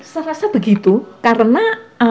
saya rasa begitu karena